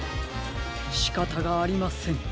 しかたがありません。